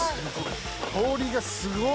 香りがすごい。